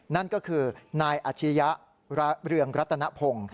นั่นก็คือนายอาชียะเรืองรัตนพงศ์